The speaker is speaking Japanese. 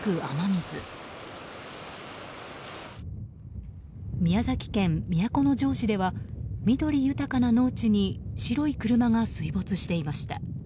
宮崎県都城市では緑豊かな農地に白い車が水没していました。